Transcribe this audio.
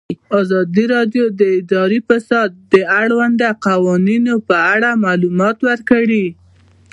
ازادي راډیو د اداري فساد د اړونده قوانینو په اړه معلومات ورکړي.